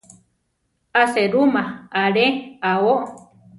A serúma alé ao.